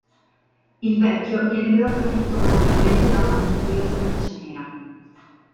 Il vecchio viene però trafitto mortalmente da una misteriosa freccia nera.